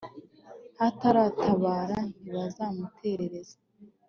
bataratabara ntibazamutetereze